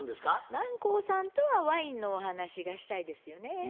南光さんとはワインのお話がしたいですよね。